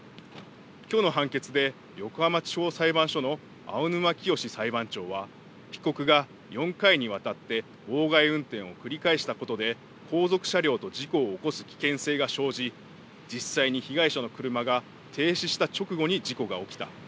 きょうの判決で横浜地方裁判所の青沼潔裁判長は被告が４回にわたって妨害運転を繰り返したことで後続車両と事故を起こす危険性が生じ実際に被害者の車が停止した直後に事故が起きた。